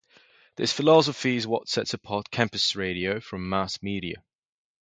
This philosophy is what sets apart campus radio from mass media.